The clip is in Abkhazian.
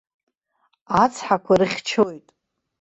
Ацҳақәа рыхьчоит.